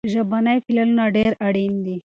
ژبني پلانونه ډېر اړين دي.